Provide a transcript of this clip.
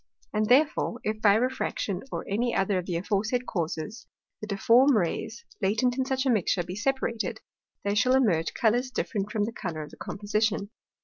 And therefore, if by Refraction, or any other of the aforesaid Causes, the difform Rays, latent in such a mixture, be separated, there shall emerge Colours different from the colour of the Composition.